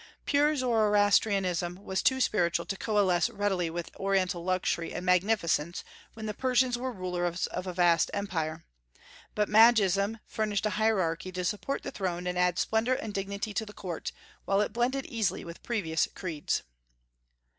"Pure Zoroastrianism was too spiritual to coalesce readily with Oriental luxury and magnificence when the Persians were rulers of a vast empire, but Magism furnished a hierarchy to support the throne and add splendor and dignity to the court, while it blended easily with previous creeds."